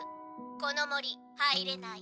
この森入れない」。